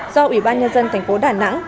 do ủy ban nhân dân tp đà nẵng